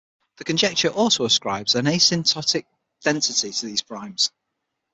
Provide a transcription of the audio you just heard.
The conjecture also ascribes an asymptotic density to these primes.